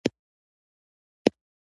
ميرويس خان موسک شو.